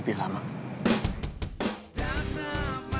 tidak masih terdapat